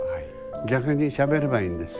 逆にしゃべればいいんです。